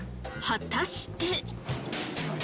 果たして。